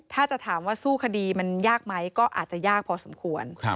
ถ้าจะถามว่าสู้คดีมันยากไหมก็อาจจะยากพอสมควร